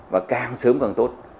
và càng sớm càng tốt